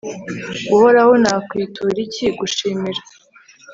uhoraho nzakwitura iki? [gushimira